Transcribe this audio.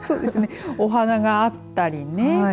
お花があったりね